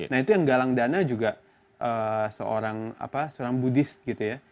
nah itu yang galang dana juga seorang apa seorang buddhist gitu ya